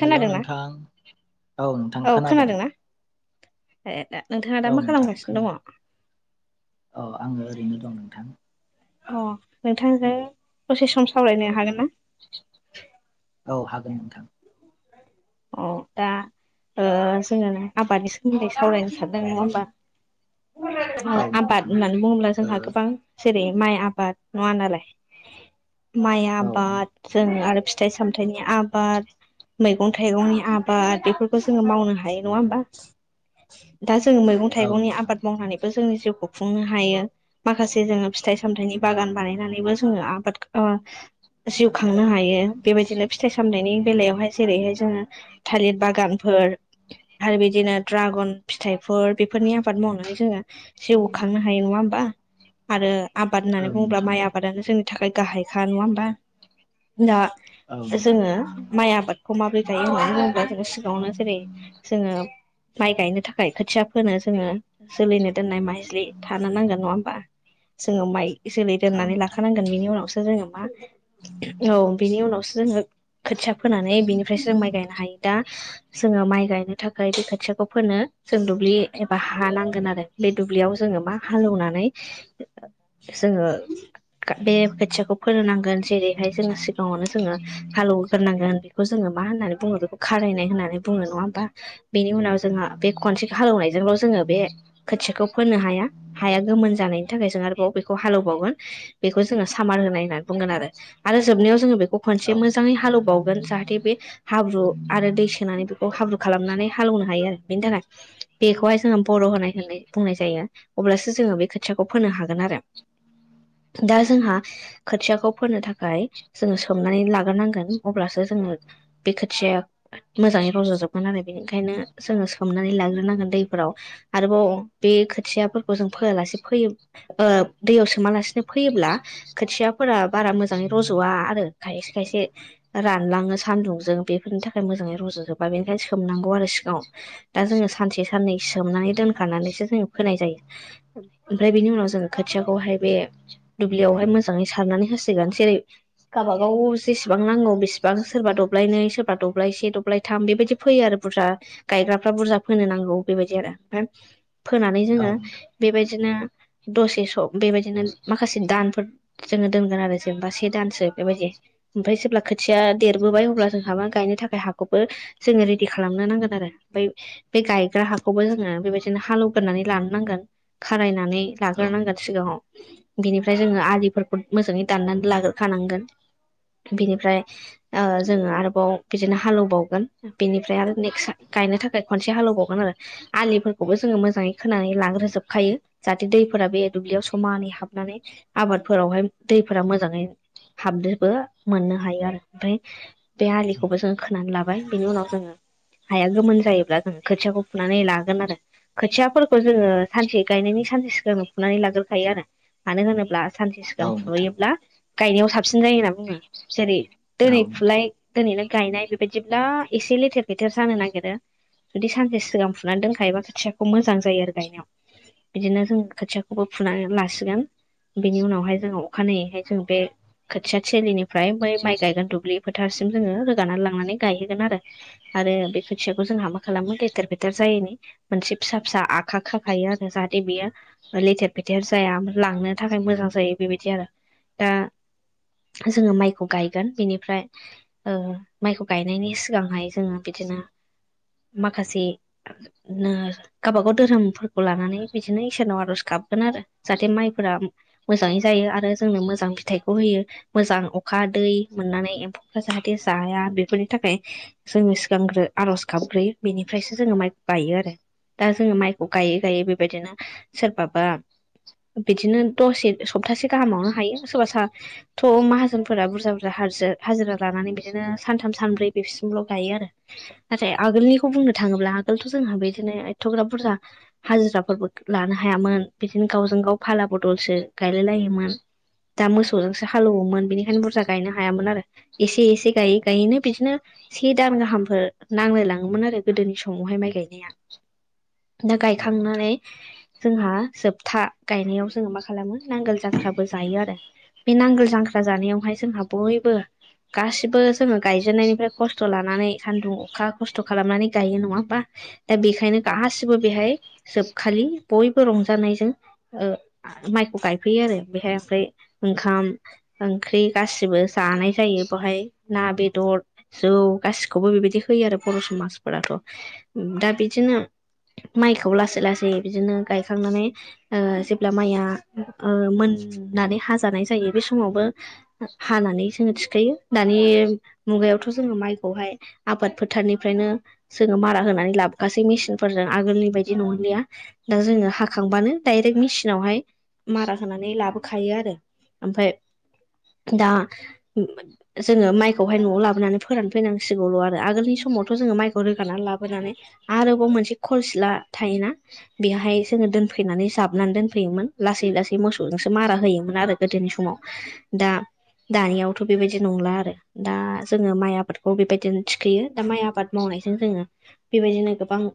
हेल' नोंथां औ नोंथां खोनादों ए दा नोंथाङा दा औ मा खालामगासिनो दङ अ आङो ओरैनो दं नोंथां अ नोंथांजों दसे सम सावरायनो हागोन ना औ हागोन नोंथां अ दा ओ जोङो आबादनि सोमोन्दै सावरायनो सानदों नङा होमबा? औ आबाद नोंथां होननानै बुङोब्ला ओ जोंहा गोबां जेरै माइ आबाद नङा नालाय माइ औ आबाद जों आरो फिथाइ सामथायनि आबाद मैगं थाइगंनि आबाद बेफोरखौ जोङो मावनो हायो। नङा होमबा? दा जोङो मैगं औ थाइगंनि नोंथां आबाद मावनानैबो जोंनि जिउखौ खुंनो हायो। माखासे जोङो फिथाइ सामथायाइनि बागान बानायनानैबो जोङो आबाद जिउ खांनो हायो। बेबायदिनो फिथाइ सामनायनि बेलायावहाय जेरैहाय जोङो थालिर बागानफोर आरो बिदिनो द्रागन फिथाइफोर बेफोरनि आबाद मावनानै जोङो जिउ खांनो हायो नङा होमबा आरो आबाद होननानै औ बुङोब्ला नोंथां माइ आबाद [unintelligible] जोंनि थाखाय गाहायखा नङा होमबा दा औ नोंथां जोङो माइ आबादखौ माब्रै जायो मानो होनोब्ला जोङो सिगावनो जेरै जोङो माइ गायनो थाखाय खोथिया फोनो जोङो जोलैनो दोननाय माइजलि थानो नांगोन नङा होमबा जोङो माइ जोलै औ दोननानै नोंथां लाखानांगोन बिनि उनावसो जोङो मा औ बिनि उनावसो जोङो खोथिया फोनानै बिनिफ्रायसो जों माइ गायनो हायो दा जोङो माइ गायनो थाखाय बै खोथियाखौ फोनो जों दुब्लि एबा हा नांगोन आरो बे दुब्लियाव जोङो मा हालोवनानै जोङो बे खोथियाखौ फोनो नांगोन जेरैहाय जोङो सिगाङावनो जोङो हालौगोरनांगोन बेखौ जोङो मा होननानै बुङो बेखौ खारायनाय होननानै बुङो नङा होमबा बेनि उनाव जोंहा बे खनसे हालेवनायजोंल' जोङो बे खोथिखौ फोनो हाया हाया गोमोन जानायनि थाखाय जों आरोबाव बेखौ हालेवबावगोन, बेखौ जोङो सामार होनाय होननानै बुंगोन आरो आरो जोबनायाव जोङो बेखौ खनसे औ औ नोंथां औ मोजाङै हालेवबावगोन जाहा थे बे हाब्रु आरो दै सोनानै बेखौ हाब्रु खालामनानै हालौनो हायो आरो बेनि थाखाय बेखौहाय जोङो बर' होनाय होननानै बुंनाय जायो अब्लासो जोङो बे खोथाखौ फोनो हागोन आरो दा जोंहा खोथियाखौ फोनो थाखाय जोङो सोमनानै लाग्रोनांगोन अब्लासो जोङो बे खोथिया मोजाङै रज' जोबगोन आरो बेनिखायनो जोङो सोमनानै लाग्रोनांगोन दैफोराव आरोबाव बे खोथियाफोरखौ जों फोआलासे फोयो ओ दैयाव सोमालासिनो फोयोब्ला खोथियाफोरा बारा मोजाङै रज'आ आरो खायसे खायसे रानलाङोस सान्दुंजों बेफोरनि थाखाय मोजाङै रज'जोबा बेनिखायनो सोमनांगौ आरो सिगाङाव दा जोङो सानसे साननै सोमनानै दोनखानानैसो जोङो फोनाय जायो ओमफ्राय बेनि उनाव जोंङो खोथियाखौहाय बे दुब्लियावहाय मोजाङै सारनानै होसिगोन जेरै गाबागाव जेसेबां नांगौ बेसेबांस सोरबा दब्लायनै सोरबा दब्लायसे दब्लायथाम बेबायदि फोयो आरो बुरजा गायग्राफ्रा बुरजा फोनो नांगौ बेबायदि आरो ओमफ्राय फोनानै औ जोङो नोंथां बेबायदिनो दसे सम बेबायदिनो माखासे दानफोर जोङो दोनगोन आरो जेनेबा से दानसो बेबायदि ओमफ्राय जेब्ला खोथिया देरबोबाय अब्ला जोंहा मा गायनो थाखाय हाखौबो जोङो रेडि खालामनो नांगोन आरो ओमफाय बे गायग्रा हाखौबो जोङो बेबायदिनो हालौवगोरनानै लानो नांगोन खारायनानै औ नोंथां लाग्रोनांगोन सिगाङाव बिनिफ्राय जोङो आलिफोरखौ मोजाङै दाननानै लाग्रो खानांगोन। बिनिफ्राय ओ जोङो आरोबाव बिदिनो हालेवबावगोन बेनिफ्राय आरो नेक्स गायनो थाखाय खनसे हालेवबावगोन आरो आलिफोरखौबो जोङो मोजाङै खोनानै लांग्रो जोबखायो। जाहाथे दैफोरा बे दुब्लियाव समानै हाबनानै आबादफो रावहाय दैफोरा मोजाङै हाबदोबो मोननो हायो आरो ओमफाय बे आलिखौबो जोङो खोनानै लाबाय बेनि उनाव जों हाया गोमोन जायोब्ला जों खोथियाखौ फुनानै लागोन आरो खोथियाफोरखौ जोङो सानसे गायनायनि सानसे सिगां फुनानै लागोरखायो आरो मानो होनोब्ला सानसे सिगां औ नोंथां फुहोयोब्ला गायनायाव साबसिन जायो होनना बुङो जेरै औ दोनै नोंथां फुलाय दोनैनो गायनाय बेबायदिब्ला एसे लेथेर फेथेर जानो नागिरो बीदि सानसे सिगां फुनानै दोनखायोबा खोथियाखौ मोजां जायो आरो गायनायाव बिदिनो जों खोथियाखौबो फुनानै लासिगोन बेनि उनावहाय जोंङो अखानायैहाय जों बे खोथिया थलिनिफ्राय बै माइ गायगोन दुब्लि फोथारसिम जोङो रोगानानानै लांनानै गायहैगोन आरो आरो बे खोथियाखौ जोंहा मा खालामो लेथेर फेथेर जायैनि। मोनसे फिसा फिसा आखा खाखायो आरो जाहाथे बेयो लेथेर-फेथेर जाया लांनो थाखाय मोजां जायो बेबायदि आरो दा जोङो माइखौ गाय बिनिफ्राय ओ माइखौ गायनायनि सिगांहाय जोङो बिदिनो माखासे नों गावबागाव धोरोमफोरखौ लानानै बिदिनो इसोरनाव आर'ज गाबगोन आरो जाहाथे माइफोरा मोजाङै जायो आरो जोंनो मोजां फिथाइखौ होयो मोजां अखा दै मोननानै एम्फौफ्रा जाहाथे जाया बेफोरनि थाखाय जोङो सिगांग्रो आर'ज गाबग्रोयो बेनिफ्रायसो जोङो माइखौ गायो आरो दा जोङो माइखौ गायै गायै बेबायदिनो सोरबाबा बिदिनो दसे सप्तासे गाहामावनो हायो सोरबा साथ' माहाजोनफोरा बुरजा-बुरजा हारजो हाजिरा लानानै बिदिनो सानथाम सानब्रै बेसिमल' गायो आरो नाथाय आगोलनिखौ बुंनो थाङोब्ला आगोलथ' जोंहा बिदिनो एथ'ग्राब बुरजा हाजिराफोरबो लानो हायामोन बिदिनो गावजों गाव फाला बदलसो गायलाय लायोमोन। दा मोसौजोंसो हालेवोमोन बेनिखायनो बुरजा गायनो हायामोन आरो एसे एसे गायै गायैनो बिदिनो से दान गाहामफोर नांलाय लाङोमोन आरो गोदोनि समावहाय माइ गायनाया दा गायखांनानै जोंहा जोबथा गायनायाव जोङो मा खालामो नांगोल जांख्राबो जायो आरो बे नांगोल जांख्रा जानायावहाय जोंहा बयबो गासिबो जोङो गायजेननायनिफ्राय खस्थ' लानानै सान्दुं अखा खस्थ' खालामनानै गायो नङा होमबा दा बेखायनो गासिबो बेहाय जोबखालि बयबो रंजानायजों ओ माइखौ गायफैयो आरो बेहाय ओमफ्राय ओंखाम ओंख्रि गासिबो जानाय जायो बेहाय ना बेदर जौ गासिखौबो बेबायदि होयो आरो बर' समाजफोराथ' दा बिदिनो माइखौ लासै लासै बिदिनो गायखांनानै ओ जेब्ला माइया ओ मोननानै हाजानाय जायो बे समावबो हानानै जोङो थिखायो दानि मुगायावथ' जोङो माइखौहाय आबाद फोथारनिफ्रायनो जोङो मारा होनानै लाबोखासै मेसिनफोरजों आगोलनि बायदि नंलिया। दा जोङो हाखांबानो दाइरेक्ट मेसिनावहाय मारा होनानै लाबोखायो आरो ओमफफ्राय दा जोङो माइखौहाय न'आव लाबोनानै फोरान फैनांसिगौल' आरो आगोलनि समावथ' जोङो माइखौ रोगानानानै लाबोनानै आरोबाव मोनसे खरसिला थायोना। बेहाय जोङो दोनफैनानै जाबनानै दोनफैयोमोन लासै लासै मोसौजोंसो मारा होयोमोन आरो गोदोनि समाव। दा दानियावथ' बेबायदि नंला आरो। दा जोङो माइ आबादखौ बेबायदिनो थिखोयो दा माइ आबाद मावनायजों जोङो बेबायदिनो गोबां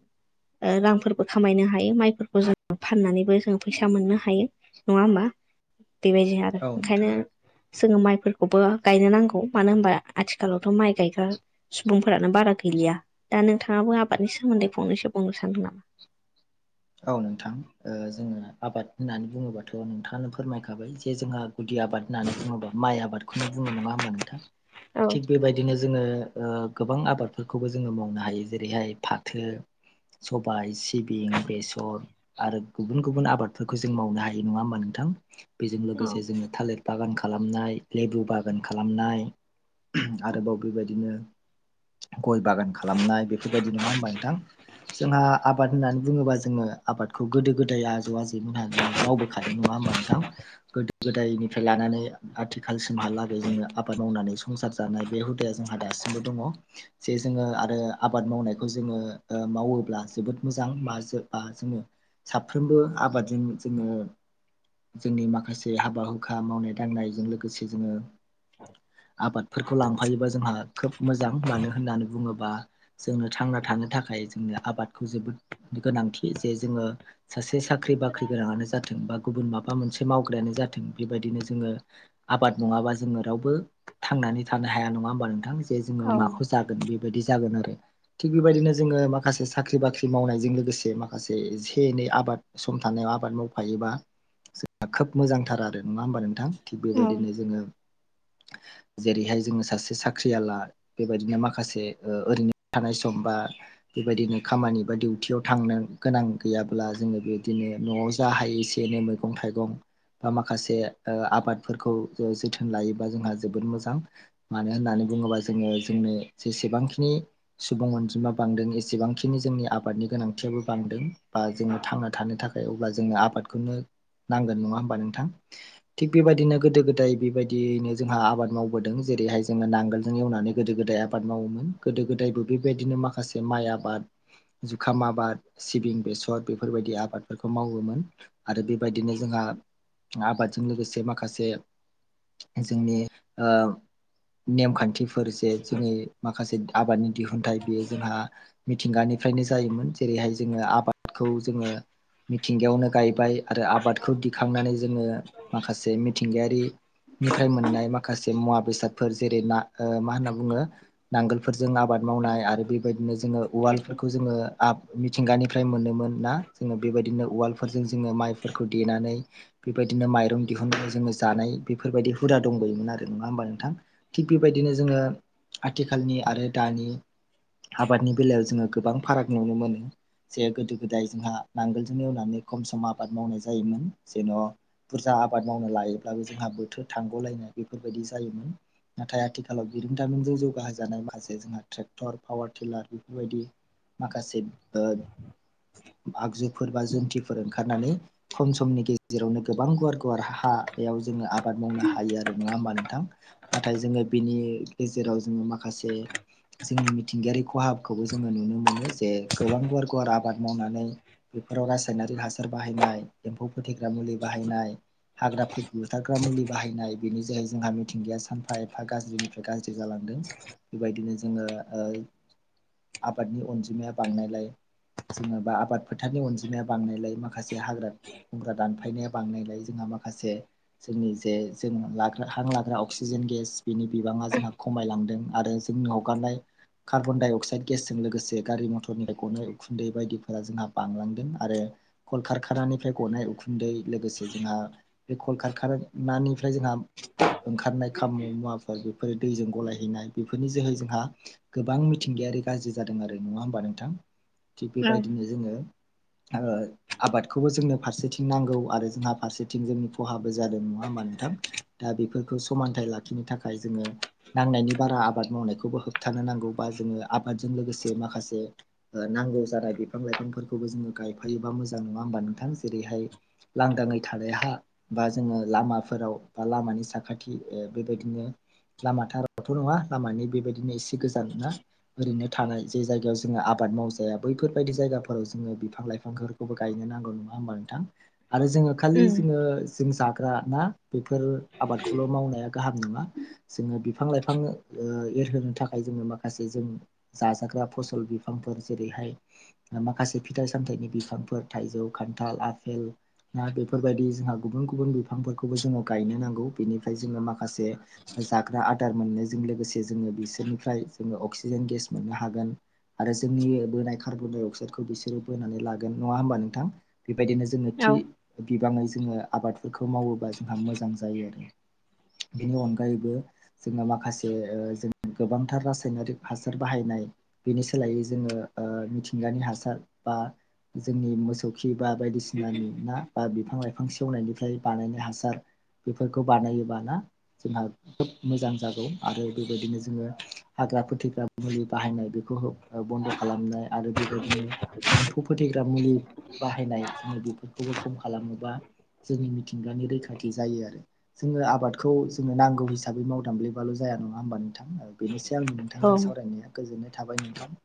ओ रांफोरबो खामायनो हायो माइफोरखौ जों फाननानैबो जों फैसा मोननो हायो। नङा होमबा बेबायदि आरो ओंखायनो जोङो माइफोरखौबो गायनो नांगौ मानो होनबा आथिखालावथ' माइ गायग्रा सुबुंफोरानो बारा गैलिया दा नोंथाङाबो आबादनि सोमोन्दै फंनैसो बुंनो सानदों नामा औ नोंथां ओ जोङो आबाद होननानै बुङोबाथ' नोंथाङानो फोरमायखाबाय जे जोंहा गुदि आबाद होननानै बुङोबा माइ आबादखौनो बुंनो नङा होमबा नोंथां औ थिक बेबायदि बिदिनो जोङो ओ गोबां आबादफोरखौबो जोङो मावनो हायो जेरैहाय फाथो सबाय सिबिं बेसर अ आरो गुबुन गुबुन आबादफोरखौ जों मावनो हायो नङा होमबा नोंथां बेजों औ लोगोसे जोङो थालिर बागान खालामनाय लेबु बागान खालामनाय आरोबाव बेबायदिनो गय बागान खालामनाय बेफोरबायदि नङा होमबा नोंथां जोंहा आबाद होननानै बुङोबा जोङो आबादखौ गोदो गोदाय आजौ आजैमोनानो मावबोखादों नङा होमबा नोंथां? गोद गोदायनिफ्राय लानानै आथिखालसिमहालागै जोङो आबाद मावनानै संसार जानाय बे हुदाया जोंहा दासिम बो दङ। जे जोङो आरो आबाद मावनायखौ जोङो ओ मावोब्ला जोबोद मोजां बा ज बा जोङो साफ्रोमबो आबादजों जोङो जोंनि माखासे हाबा हुखा मावनाय दांनायजों लोगोसे जोङो आबादफोरखौ लांफायोबा जोंहा खोब मोजां मानो होननानै बुङोबा जोंनो थांना थानो थाखाय जोंनो आबादखौ जोबोद गोनांथि जे जोङो सासे साख्रि बाख्रि गोनाङानो जाथ बा गुबुन माबा मोनसे मावग्रायानो जाथों बेबादिनो जोङो आबाद नङाबा जोङो रावबो थांनानै थानो हाया नङा होमबा नोंथां जे जोङो औ माखौ जाग बेबादि जागोन आरो थिग बेबायदिनो जोङो माखासे साख्रि बाख्रि मावनायजों लोगोसे मा से एसे एनै आबाद सम थानायाव आबाद मावफायोबा जोंहा खोब मोजांथार आरो नङा होमबा नोंथां थिग बेबायदिनो जोङो जेरैहाय जोङो सासे साख्रियाला बेबायदिनो माखासे ओ ओरैनो थानाय सम बा बेबायदिनो खामानि बा डिउटियाव थांनो गोनां गैयाब्ला जोङो बेदिनो न'आव जा हायो एसे एनै मैगं-थाइगं बा माखासे ओ आबादफोरखौ जोथोन लायोबा जोंहा जोबोद मोजां। मानो होननानै बुङोबा जोङो जोंनो जेसेबांखिनि सुबुं अनजिमा बांदों एसेबांखिनि जोंनि आबादनि गोनांथियाबो बांदों बा जोङो थांना थानो थाखाय अब्ला जोंनो आबादखौनो नांगोन नङा होमबा नोंथां? थिग बेबायदिनो गोदो गोदाय बेबायदियैनो जोंहा आबाद मावबोदों जेरैहाय जोङो नांगोलजों एवनानै गोदो गोदाय आबाद मावोमोन गोदो गोदायबो बेबायदिनो माखासे माइ आबाद जुखाम आबाद सिबिं बेसर बेफोरबायदि आबादफोरखौ मावोमोन आरो बेबायदिनो जोंहा आबादजों लोगोसे माखासे जोंनि ओ नेमखान्थिफोर जे जोंनि माखासे आबादनि दिहुनथायाइ बेयो जोंहा मिथिंगानिफ्रायनो जायोमोन जेरैहाय जोङो आबादखौ जोङो मिथिंगायावनो गायबाय आरो आबाद खौ दिखांनानै जोङो माखासे मिथिंगायारि निफ्राय मोननाय माखासे मुवा बेसादफोर जेरै ना ओ मा होनना बुङो नांगोलफोरजों आबाद मावनाय आरो बेबायदिनो जोङो उवालफोरखौ जोङो [unintelligible] मिथिंगानिफ्राय मोनोमोन ना जोङो बेबायदिनो उवालफोरजों जोङो माइफोरखौ देनानै बेबायदिनो माइरं दिहुननानै जोङो जानाय बेफोरबायदि हुदा दंबोयोमोन आरो नङा होमबा नोंथां? थिग बेबायदिनो जोङो आथिखालनि आरो दानि आबादनि बेलायाव जोङो गोबां फाराग नुनो मोनो। जे गोदो गोदाय जोंहा नांगोलजों एवनानै खम सम आबाद मावनाय जायोमोन जेन' बुरजा आबाद मावनो लायोब्लाबो जोंहा बोथोर थांग'लायनाय बेफोरबायदि जायोमोन नाथाय आथिखालाव बिरोंदामिनजों जौगाहोजानाय माखासे जोंहा ट्रेक्टर पावार टिलार बेफोरबायदि माखासे ओ आगजुफोर बा जोन्थिफोर ओंखारनानै खम समनि गेज जेरावनो गोबां गुवार गुवार हा याव जोङो आबाद मावनो हायो आरो नङा होमबा नोंथां? नाथाय जोङो बिनि गेजेराव जोङो माखासे जोंनि मिथिंगायारि खहाखौबो जोङो नुनो मोनो जे गोबां गुवार गुवार आबाद मावनानै बेफोराव रासायनारि हासार बाहायनाय एम्फौ फोथैग्रा मुलि बाहायनाय हाग्रा बुथारग्रा मुलि बाहायनाय बेनि जायै जोंहा मिथिंगाया सानफा एफा गाज्रिनिफ्राय गाज्रि जालांदों। बेबायदिनो जोङो ओ आबादनि अनजिमाया बांनायलाय जोङो बा आबाद फोथारनि अनजिमाया बांनायलायो माखासे हाग्रा खुमग्रा दानफायनाया बांनायलाय जोंहा माखासे जोंनि जे जों लाग्रा हां लाग्रा अक्सिजेन गेस बिनि बिबाङा जोंहा खमायलांदों आरो हगारनाय कार्बन डाइ अक्साइड गेसजों लोगोसे गारि मटर रनिफ्राय गनाय उखुन्दै बायदिफोरा जोंहा बांलांदों आरो कल खारखानानिफ्राय गनाय उखुन्दै लोगोसे जोंहा बे कल खारखानिफ्राय जोंहा ओंखारनाय खाम मुवाफोर बेफोर दैजों गलायहैनाय बेफोरनि जोहै जोंहा गोबां मिथिंगायारि गाज्रि जादों आरो नङा होमबा नोंथां? थिग बेबायदिनो जोङो ओ आबादखौबो जोंनो फारसेथिं नांगौ आरो जोंहा फारसेथिं जोंनि खहाबो जादों नङा होमा नोंथां? दा बेफोरखौ समानथाइ लाखिनो थाखाय जोङो नांनायनि बारा आबाद मावनायखौबो होबथानो नांगौ बा जोङो आबादजों लोगोसे माखासे नांगौ जानाय बिफां लाइफांफोरखौबो जोङो गायफायोबा मोजां नङा होमबा नोंथां? जेरैहाय लांदाङै थानाय हा बा जोङो लामाफोराव बा लामानि साखाथि ओ बेबायदिनो लामाथारथ' नङा लामानि बेबायदिनो एसे गोजान ना ओरैनो थानाय जे जायगायाव जोङो आब आबाद मावजाया बैफोरबायदि जायगाफोराव जोङो बिफां लाइफांफोरखौबो गायनो नांगौ नङा होमबा नोंथां? आरो जोङो खालि जोङो जों जाग्रा ना बेफोर आबादखौल' मावनाया गाहाम नङा। जोङो बिफां लाइफां एरहोनो थाखाय जोङो माखासे जों जाजाग्रा फसल बिफांफोर जेरैहाय माखासे फिथाइ सामथाइनि बिफांफोर थाइजौ खान्थाल आफेल दा बेफोरबायदि जोंहा गुबुन गुबुन बिफांफोरखौबो जोङो गायनो नांगौ बेनिफ्राय जोङो माखासे जाग्रा आदार मोननायजों लोगोसे जोङो बिसोरनिफ्राय जोङो अक्सिजेन गेस मोननो हागोन। आरो जोंनि बोनाय कार्बन डाइ अक्साइदखौ बिसोरो बोनानै लागोन नङा होमबा नोंथां? बेबायदिनो जोङो औ थि बिबाङै जोङो आबादफोरखौ मावोबा जोंहा मोजां जायो आरो बेनि अनगायैबो जोङो माखासे ओ जों गोबांथार रासायनारिक हासार बाहायनाय बेनि सो सोलाय जोङो ओ मिथिंगानि हासार बा जोंनि मोसौ फुखि बा बायदिसिनानि ना बा बिफां लाइफां सेवनायनिफ्राय बानायनाय हासार बेफोरखौ बानायोबाना जोंहा खोब मोजां जागौ आरो बेबायदिनो जोङो हाग्रा फोथग्रा मुलि बाहायनाय बेफोरखौ बन्द' खालामनाय आरो बेबायदिनो एम्फौ फोथै मुलि बाहायनाय जोङो बेफोरखौबो खम खालामोबा जोंनि मिथिंगानि रैखाथि जायो आरो जोङो आबादखौ जोङो नांगौ हिसाबै मावदांब्लेबाल' जाया नङा ओमबा नोंथां बेनोसै आंनि औ नोंथांजों सावरायनाया गोजोननाय थाबाय नोंथां